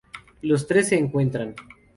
Los tres se encuentran.